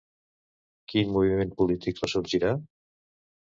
Quin moviment polític ressorgirà?